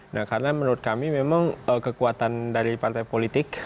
nah karena menurut kami memang kekuatan dari partai politik